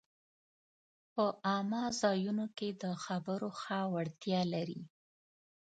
په عامه ځایونو کې د خبرو ښه وړتیا لري